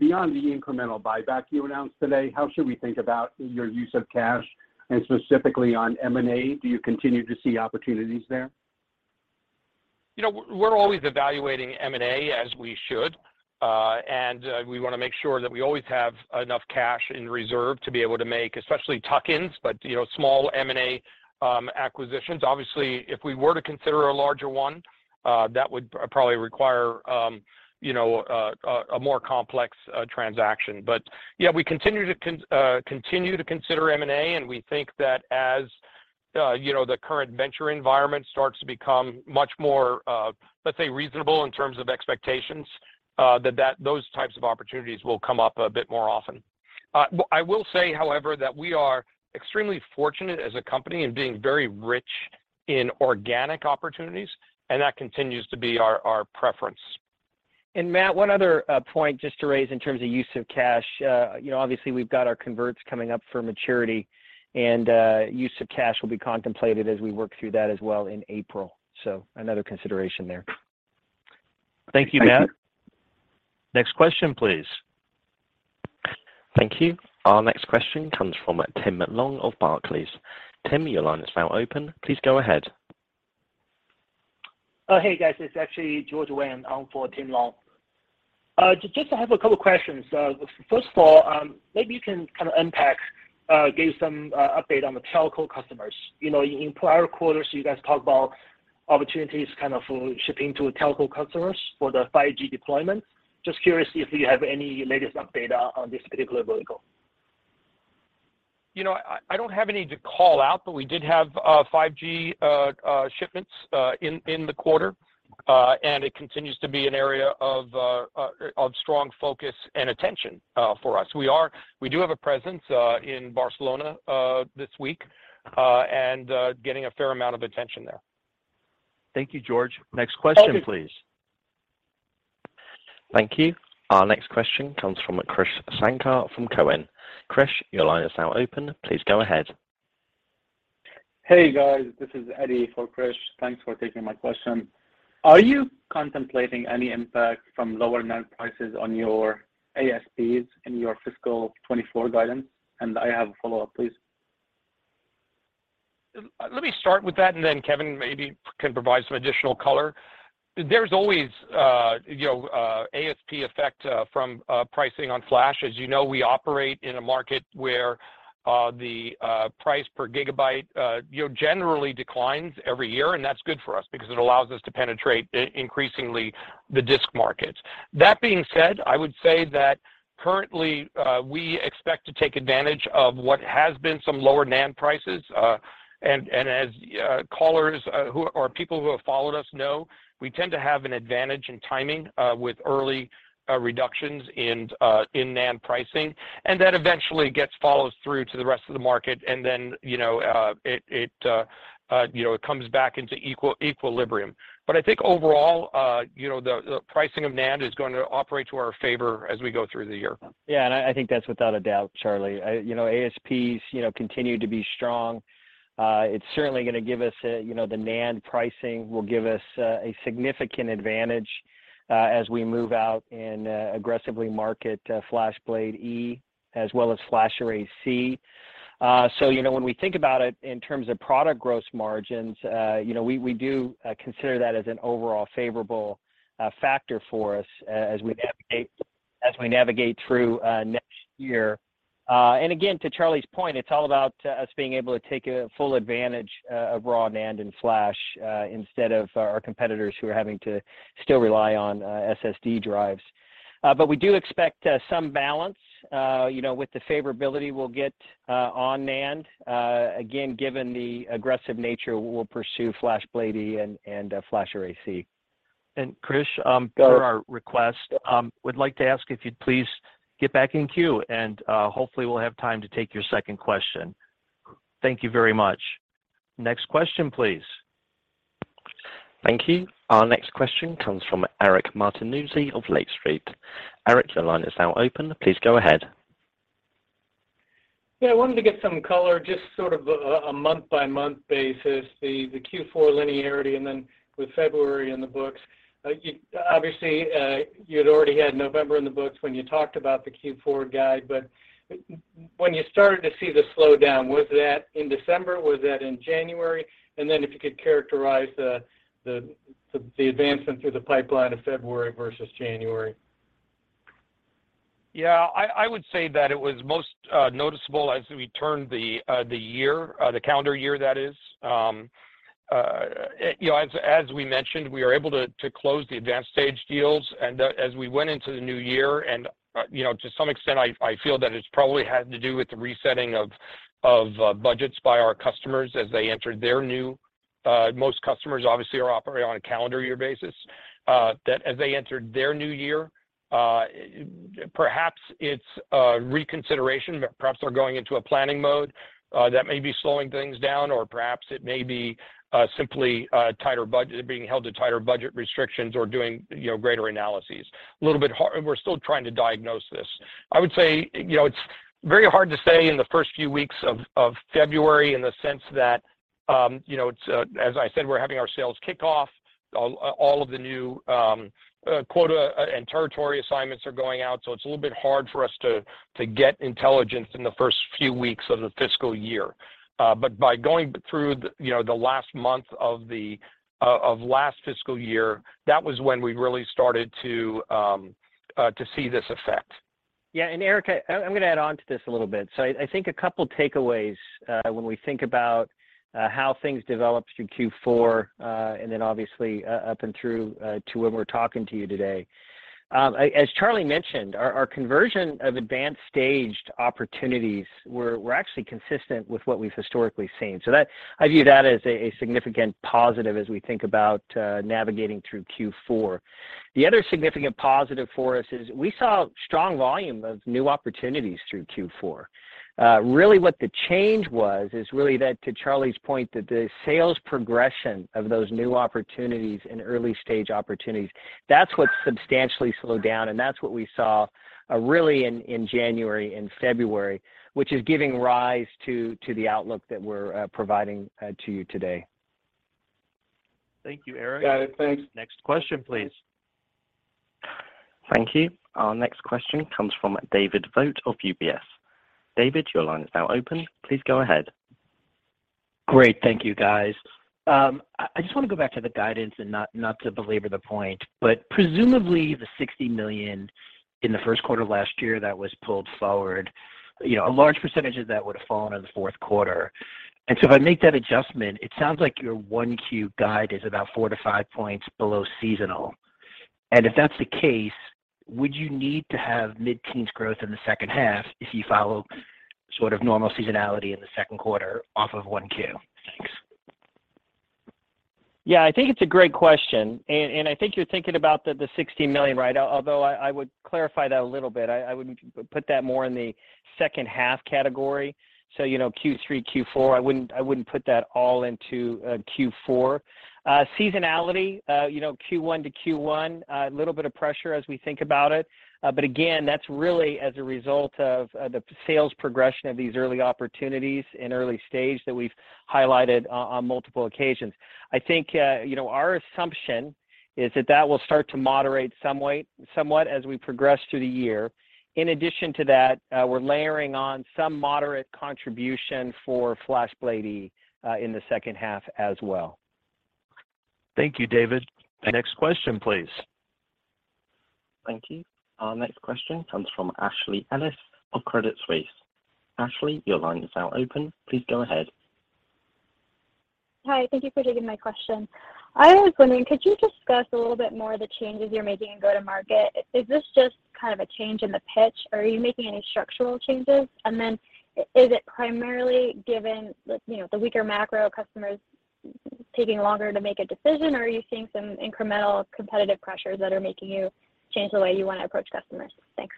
Beyond the incremental buyback you announced today, how should we think about your use of cash and specifically on M&A? Do you continue to see opportunities there? You know, we're always evaluating M&A, as we should. We want to make sure that we always have enough cash in reserve to be able to make especially tuck-ins, but, you know, small M&A acquisitions. Obviously, if we were to consider a larger one, that would probably require, you know, a more complex transaction. Yeah, we continue to consider M&A, and we think that as, you know, the current venture environment starts to become much more, let's say reasonable in terms of expectations, that those types of opportunities will come up a bit more often. I will say, however, that we are extremely fortunate as a company in being very rich in organic opportunities, and that continues to be our preference. Matt, one other point just to raise in terms of use of cash. You know, obviously we've got our converts coming up for maturity, and use of cash will be contemplated as we work through that as well in April. Another consideration there. Thank you. Next question please. Thank you. Our next question comes from Tim Long of Barclays. Tim, your line is now open. Please go ahead. Hey guys, it's actually George Wang on for Tim Long. I have a couple questions. First of all, maybe you can kind of unpack, give some update on the telco customers. You know, in prior quarters, you guys talked about opportunities kind of for shipping to telco customers for the 5G deployment. Curious if you have any latest update on this particular vertical. You know, I don't have any to call out, but we did have 5G shipments in the quarter. It continues to be an area of strong focus and attention for us. We do have a presence in Barcelona this week and getting a fair amount of attention there. Thank you, George. Next question, please. Okay. Thank you. Our next question comes from Krish Sankar from Cowen. Krish, your line is now open. Please go ahead. Hey, guys. This is Eddie for Krish. Thanks for taking my question. Are you contemplating any impact from lower NAND prices on your ASPs in your fiscal 2024 guidance? I have a follow-up, please. Let me start with that, and then Kevan maybe can provide some additional color. There's always, you know, ASP effect from pricing on Flash. As you know, we operate in a market where the price per gigabyte, you know, generally declines every year, and that's good for us because it allows us to penetrate increasingly the disk markets. That being said, I would say that currently, we expect to take advantage of what has been some lower NAND prices. As callers who or people who have followed us know, we tend to have an advantage in timing with early reductions in NAND pricing. That eventually gets followed through to the rest of the market and then, you know, it, you know, it comes back into equilibrium. I think overall, you know, the pricing of NAND is going to operate to our favor as we go through the year. I think that's without a doubt, Charlie. You know, ASPs, you know, continue to be strong. It's certainly gonna give us a, you know, the NAND pricing will give us a significant advantage as we move out and aggressively market FlashBlade//E as well as FlashArray//C. You know, when we think about it in terms of product gross margins, you know, we do consider that as an overall favorable factor for us as we navigate through next year. Again, to Charlie's point, it's all about us being able to take a full advantage of raw NAND and Flash instead of our competitors who are having to still rely on SSD drives. We do expect some balance, you know, with the favorability we'll get on NAND, again, given the aggressive nature we'll pursue FlashBlade//E and FlashArray//C. Krish. Go ahead. ...per our request, would like to ask if you'd please get back in queue and hopefully we'll have time to take your second question. Thank you very much. Next question, please. Thank you. Our next question comes from Eric Martinuzzi of Lake Street. Eric, your line is now open. Please go ahead. I wanted to get some color, just sort of a month by month basis, the Q4 linearity and then with February in the books. Obviously, you had already had November in the books when you talked about the Q4 guide, but when you started to see the slowdown, was that in December, was that in January? If you could characterize the advancement through the pipeline of February versus January. Yeah. I would say that it was most noticeable as we turned the calendar year, that is. You know, as we mentioned, we are able to close the advanced stage deals and as we went into the new year and, you know, to some extent I feel that it's probably had to do with the resetting of budgets by our customers as they entered their new, most customers obviously are operating on a calendar year basis, that as they entered their new year, perhaps it's a reconsideration, but perhaps they're going into a planning mode, that may be slowing things down, or perhaps it may be simply a tighter budget, being held to tighter budget restrictions or doing, you know, greater analyses. We're still trying to diagnose this. I would say, you know, it's very hard to say in the first few weeks of February in the sense that, you know, it's, as I said, we're having our sales kickoff. All of the new quota and territory assignments are going out, so it's a little bit hard for us to get intelligence in the first few weeks of the fiscal year. By going through the, you know, the last month of last fiscal year, that was when we really started to see this effect. Yeah. Eric, I'm gonna add on to this a little bit. I think a couple takeaways, when we think about how things developed through Q4, and then obviously up and through to when we're talking to you today. As Charlie mentioned, our conversion of advanced staged opportunities were actually consistent with what we've historically seen. I view that as a significant positive as we think about navigating through Q4. The other significant positive for us is we saw strong volume of new opportunities through Q4. really what the change was is really that, to Charlie's point, that the sales progression of those new opportunities and early stage opportunities, that's what substantially slowed down, and that's what we saw, really in January and February, which is giving rise to the outlook that we're providing to you today. Thank you, Eric. Got it. Thanks. Next question, please. Thank you. Our next question comes from David Vogt of UBS. David, your line is now open. Please go ahead. Great. Thank you, guys. I just want to go back to the guidance and not to belabor the point, but presumably the $60 million in the first quarter of last year that was pulled forward, you know, a large percentage of that would have fallen in the fourth quarter. If I make that adjustment, it sounds like your 1Q guide is about 4-5 points below seasonal. If that's the case, would you need to have mid-teens growth in the second half if you follow sort of normal seasonality in the second quarter off of 1Q? Thanks. I think it's a great question, and I think you're thinking about the $60 million, right? Although I would clarify that a little bit. I would put that more in the second half category. You know, Q3, Q4, I wouldn't put that all into Q4. Seasonality, you know, Q1–Q1, a little bit of pressure as we think about it. Again, that's really as a result of the sales progression of these early opportunities in early stage that we've highlighted on multiple occasions. I think, you know, our assumption is that that will start to moderate somewhat as we progress through the year. In addition to that, we're layering on some moderate contribution for FlashBlade E, in the second half as well. Thank you, David. Next question, please. Thank you. Our next question comes from Ashley Ellis of Credit Suisse. Ashley, your line is now open. Please go ahead. Hi, thank you for taking my question. I was wondering, could you discuss a little bit more the changes you're making in go-to-market? Is this just kind of a change in the pitch, or are you making any structural changes? Is it primarily given the, you know, the weaker macro customers taking longer to make a decision, or are you seeing some incremental competitive pressures that are making you change the way you want to approach customers? Thanks.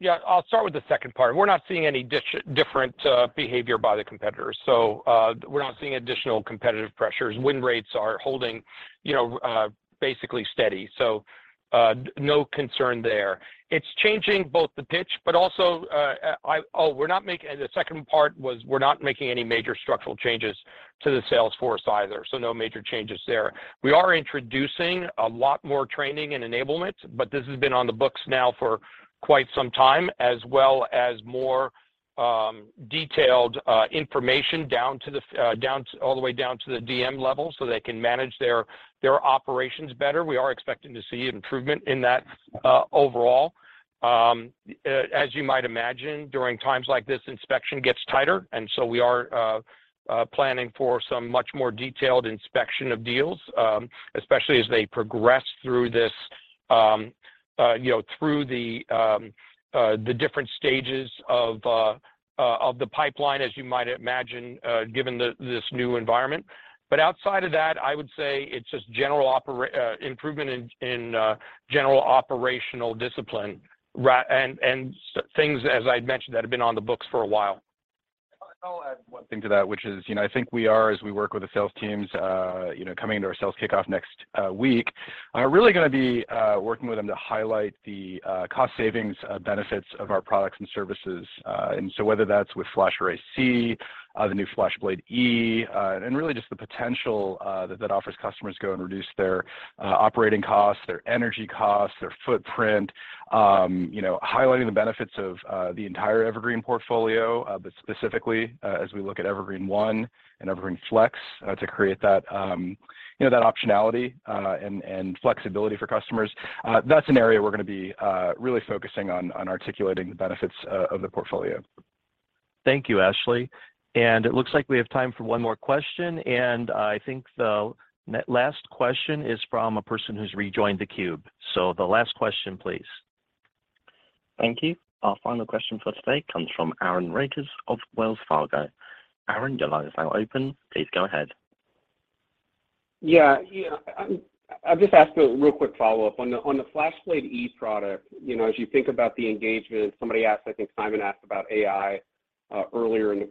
Yeah. I'll start with the second part. We're not seeing any different behavior by the competitors, so we're not seeing additional competitive pressures. Win rates are holding, you know, basically steady, so no concern there. It's changing both the pitch, but also, the second part was we're not making any major structural changes to the sales force either, so no major changes there. We are introducing a lot more training and enablement, but this has been on the books now for quite some time, as well as more detailed information all the way down to the DM level, so they can manage their operations better. We are expecting to see improvement in that overall. As you might imagine, during times like this, inspection gets tighter. We are planning for some much more detailed inspection of deals, especially as they progress through this, you know, through the different stages of the pipeline, as you might imagine, given this new environment. Outside of that, I would say it's just general improvement in general operational discipline and things, as I'd mentioned, that have been on the books for a while. One thing to that, which is, you know, I think we are as we work with the sales teams, you know, coming into our sales kickoff next week, really going to be working with them to highlight the cost savings benefits of our products and services. Whether that's with FlashArray//C, the new FlashBlade//E, and really just the potential that that offers customers go and reduce their operating costs, their energy costs, their footprint. You know, highlighting the benefits of the entire Evergreen portfolio, but specifically, as we look at Evergreen//One and Evergreen//Flex, to create that, you know, that optionality and flexibility for customers. That's an area we're going to be really focusing on articulating the benefits of the portfolio. Thank you, Ashley. It looks like we have time for one more question. I think the last question is from a person who's rejoined theCUBE. The last question, please. Thank you. Our final question for today comes from Aaron Rakers of Wells Fargo. Aaron, your line is now open. Please go ahead. Yeah. Yeah. I'll just ask a real quick follow-up. On the, on the FlashBlade//E product, you know, as you think about the engagement, somebody asked, I think Simon asked about AI earlier in the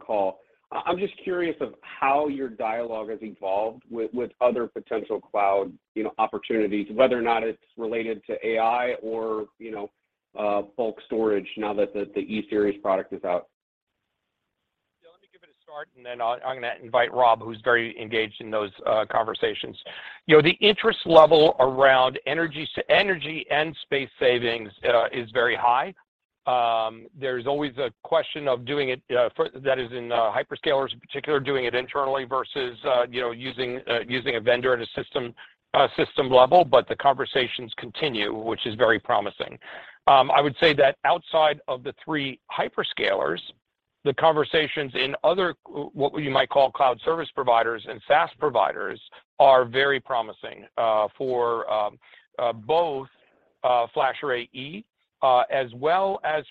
call. I'm just curious of how your dialogue has evolved with other potential cloud, you know, opportunities, whether or not it's related to AI or, you know, bulk storage now that the E Series product is out. Yeah, let me give it a start, and then I'm going to invite Rob, who's very engaged in those conversations. You know, the interest level around energy energy and space savings is very high. There's always a question of doing it for that is in hyperscalers in particular, doing it internally versus, you know, using a vendor at a system level. The conversations continue, which is very promising. hat outside of the three hyperscalers, the conversations in other what you might call cloud service providers and SaaS providers are very promising for both FlashArray//E as well as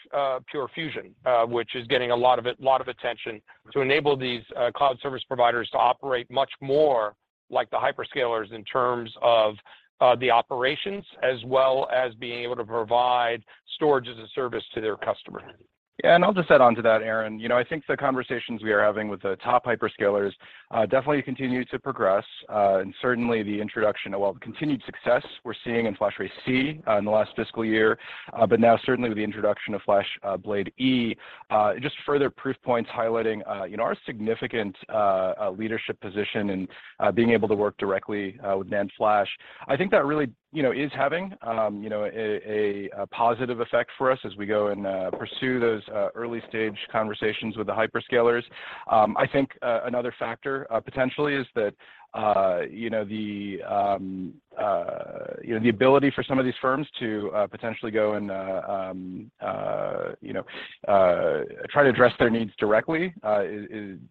Pure Fusion, which is getting a lot of attention to enable these cloud service providers to operate much more like the hyperscalers in terms of the operations as well as being able to provide storage as a service to their customer Yeah, I'll just add on to that, Aaron. You know, I think the conversations we are having with the top hyperscalers definitely continue to progress. Certainly the introduction of, well, the continued success we're seeing in FlashArray//C in the last fiscal year, but now certainly with the introduction of FlashBlade//E just further proof points highlighting, you know, our significant leadership position in being able to work directly with NAND flash. I think that really, you know, is having a positive effect for us as we go and pursue those early-stage conversations with the hyperscalers. I think another factor potentially is that, you know, the, you know, the ability for some of these firms to potentially go and, you know, try to address their needs directly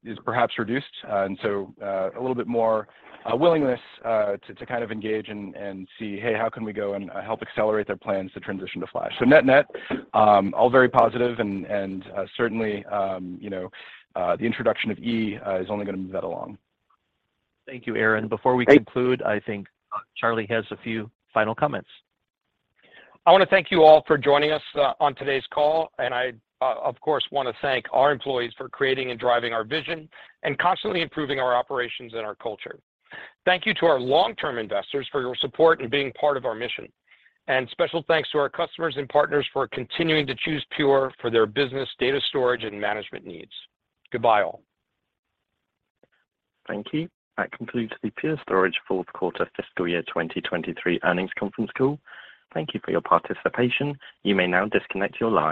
is perhaps reduced. A little bit more willingness to kind of engage and see, hey, how can we go and help accelerate their plans to transition to Flash. Net-net, all very positive and, certainly, you know, the introduction of E is only going to move that along. Thank you, Aaron. Before we conclude, I think Charlie has a few final comments. I want to thank you all for joining us on today's call. I, of course, want to thank our employees for creating and driving our vision and constantly improving our operations and our culture. Thank you to our long-term investors for your support in being part of our mission. Special thanks to our customers and partners for continuing to choose Pure for their business, data storage and management needs. Goodbye, all. Thank you. That concludes the Pure Storage Fourth Quarter Fiscal Year 2023 Earnings Conference Call. Thank you for your participation. You may now disconnect your line.